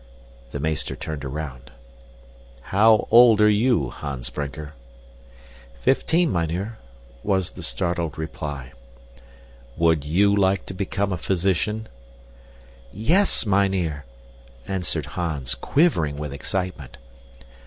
The meester turned around. "How old are you, Hans Brinker?" "Fifteen, mynheer," was the startled reply. "Would you like to become a physician?" "Yes, mynheer," answered Hans, quivering with excitement.